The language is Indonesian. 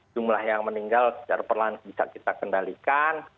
jumlah yang meninggal secara perlahan bisa kita kendalikan